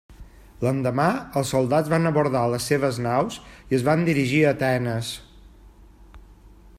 L'endemà, els soldats van abordar les seves naus i es van dirigir a Atenes.